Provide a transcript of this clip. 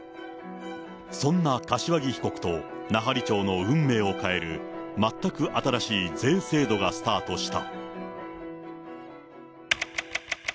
そんな柏木被告と、奈半利町の運命を変える全く新しい税制度がスタートした。